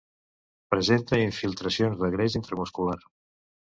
Presenta infiltracions de greix intramuscular.